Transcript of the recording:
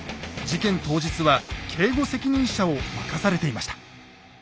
事件当日は警護責任者を任されていました。